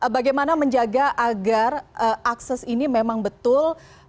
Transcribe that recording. bagaimana menjaga agar akses ini memang betul